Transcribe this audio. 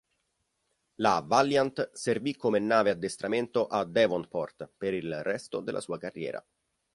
La "Valiant" servì come nave addestramento a Devonport per il resto della sua carriera.